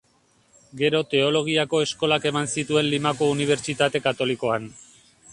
Gero teologiako eskolak eman zituen Limako Unibertsitate Katolikoan.